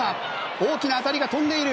大きな当たりが飛んでいる。